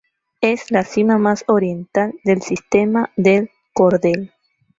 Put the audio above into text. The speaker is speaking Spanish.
Es la cima más oriental del sistema del Cordel.